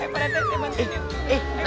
pak rete saya bantuin